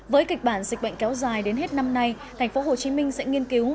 với kịch bản dịch bệnh kéo dài đến hết năm nay thành phố hồ chí minh sẽ nghiên cứu